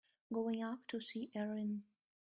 Going up to see Erin.